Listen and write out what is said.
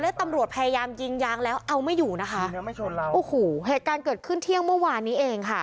และตำรวจพยายามยิงยางแล้วเอาไม่อยู่นะคะโอ้โหเหตุการณ์เกิดขึ้นเที่ยงเมื่อวานนี้เองค่ะ